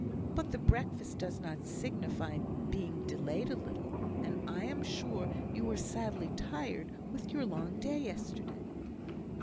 "But the breakfast does not signify being delayed a little; and I am sure you were sadly tired with your long day yesterday."